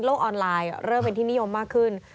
ออนไลน์เริ่มเป็นที่นิยมมากขึ้น